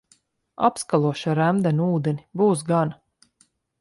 Apskalošu ar remdenu ūdeni, būs gana.